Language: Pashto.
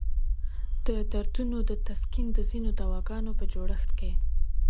د دردونو د تسکین د ځینو دواګانو په جوړښت کې.